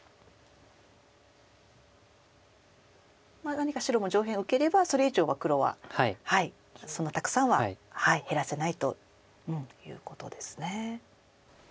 何か白も上辺受ければそれ以上は黒はそんなたくさんは減らせないということですね。